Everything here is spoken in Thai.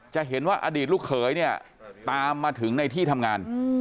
จะเห็นว่าอดีตลูกเขยเนี่ยตามมาถึงในที่ทำงาน